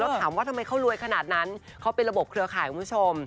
ถามว่าทำไมเขารวยขนาดนั้นเขาเป็นระบบเครือข่ายคุณผู้ชม